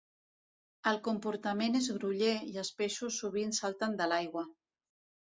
El comportament és groller i els peixos sovint salten de l'aigua.